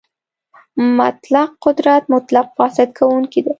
مطلق قدرت مطلق فاسد کوونکی دی.